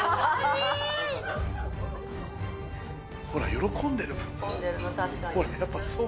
ほら、喜んでるもん、もう。